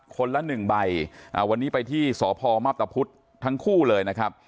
ละหนึ่งใบวันนี้ไปที่สพมับตะพุธทั้งคู่เลยนะครับ